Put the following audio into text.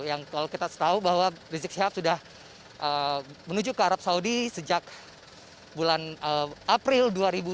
yang kalau kita tahu bahwa rizik syihab sudah menuju ke arab saudi sejak bulan april dua ribu tujuh belas